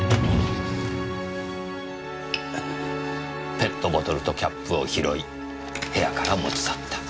ペットボトルとキャップを拾い部屋から持ち去った。